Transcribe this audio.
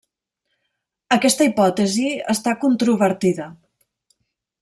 Aquesta hipòtesi està controvertida.